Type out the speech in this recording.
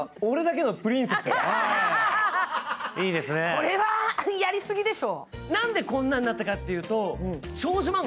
これはやりすぎでしょ。